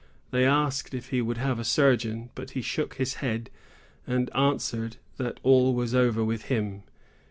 They asked if he would have a surgeon; but he shook his head, and answered that all was over with him.